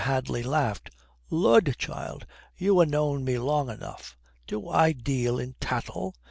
Hadley laughed. "Lud, child, you ha' known me long enough. Do I deal in tattle?